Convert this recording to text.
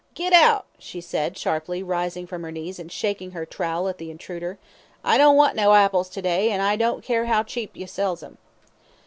"Git out," she said, sharply, rising from her knees and shaking her trowel at the intruder. "I don't want no apples to day, an' I don't care how cheap you sells 'em."